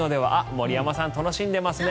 森山さん、楽しんでいますね。